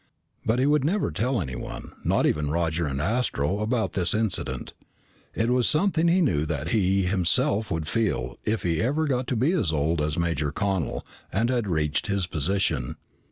But he would never tell anyone, not even Roger and Astro about this incident. It was something he knew that he himself would feel if he ever got to be as old as Major Connel and had reached his position.